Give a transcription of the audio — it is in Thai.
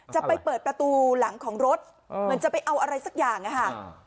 จะไปเปิดประตูหลังของรถเหมือนจะไปเอาอะไรสักอย่างอะค่ะ